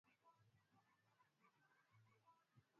oka taasisi ya chakula na lishe